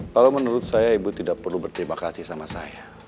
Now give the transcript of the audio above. kalau menurut saya ibu tidak perlu berterima kasih sama saya